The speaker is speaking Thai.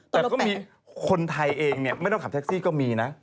แต่ก็มีคนไทยเองไม่ต้องขับแท็กซี่ก็มีนะ